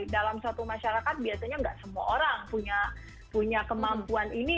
dalam suatu masyarakat biasanya nggak semua orang punya kemampuan ini